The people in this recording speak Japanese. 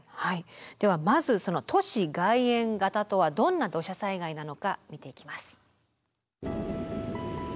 ではまず都市外縁型とはどんな土砂災害なのか見ていきます。